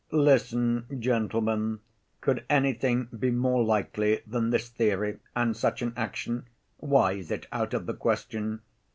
"Listen, gentlemen, could anything be more likely than this theory and such an action? Why is it out of the question?